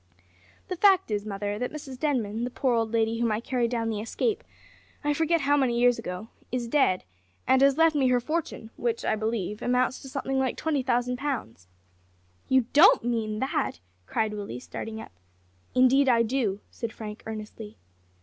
"The fact is, mother, that Mrs Denman, the poor old lady whom I carried down the escape, I forget how many years ago, is dead, and has left me her fortune, which, I believe, amounts to something like twenty thousand pounds!" "You don't mean that!" cried Willie, starting up. "Indeed, I do," said Frank earnestly.